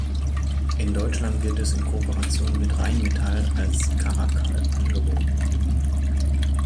In Deutschland wird es in Kooperation mit Rheinmetall als Caracal angeboten.